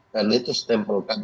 karena itu stempel kami